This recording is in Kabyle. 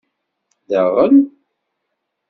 Daɣen.